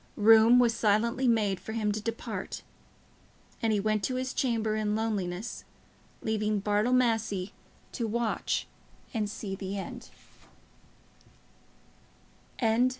Room was silently made for him to depart, and he went to his chamber in loneliness, leaving Bartle Massey to watch and see the end.